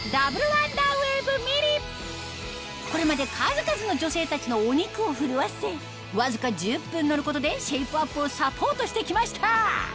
それがこれまで数々の女性たちのお肉を震わせわずか１０分乗ることでシェイプアップをサポートして来ました